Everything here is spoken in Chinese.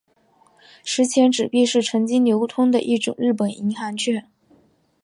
十钱纸币是曾经流通的一种日本银行券。